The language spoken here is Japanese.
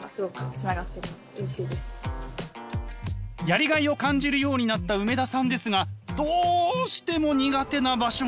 やりがいを感じるようになった梅田さんですがどうしても苦手な場所が。